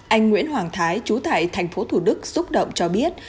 anh nguyễn hoàng thái chú tại tp thủ đức xúc động cho biết